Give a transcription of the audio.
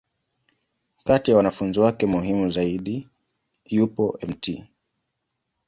Kati ya wanafunzi wake muhimu zaidi, yupo Mt.